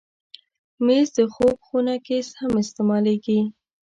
مېز د خوب خونه کې هم استعمالېږي.